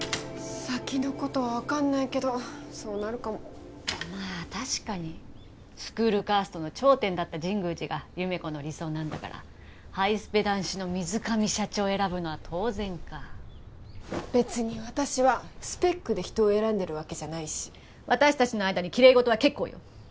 先のことは分かんないけどそうなるかもまあ確かにスクールカーストの頂点だった神宮寺が優芽子の理想なんだからハイスペ男子の水上社長を選ぶのは当然かべつに私はスペックで人を選んでるわけじゃないし私たちの間にきれいごとは結構よ